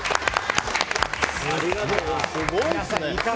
すごいですね。